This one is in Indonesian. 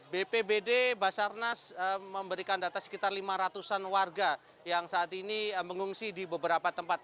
bpbd basarnas memberikan data sekitar lima ratus an warga yang saat ini mengungsi di beberapa tempat